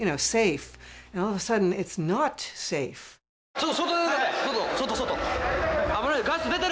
ちょっと外出て！